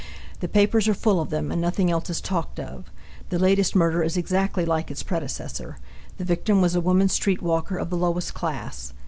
The papers are full of them, and nothing else is talked of. The latest murder is exactly like its predecessor. The victim was a woman street walker of the lowest class.